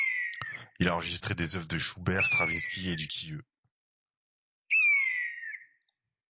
Il a enregistré des œuvres de Schubert, Stravinsky, et Dutilleux.